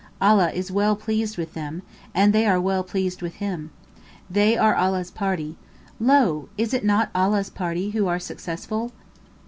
Allah is well pleased with them, and they are well pleased with Him. They are Allah's party. Lo! is it not Allah's party who are the successful?